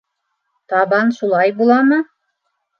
— Табан шулай буламы?